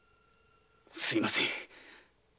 すみません。